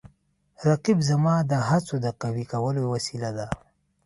رقیب زما د هڅو د قوي کولو وسیله ده